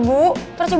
bisa kalian nyerahin aja